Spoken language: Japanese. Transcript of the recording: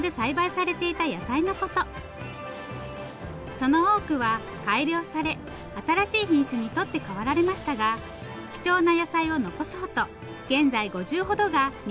その多くは改良され新しい品種に取って代わられましたが貴重な野菜を残そうと現在５０ほどが認定されています。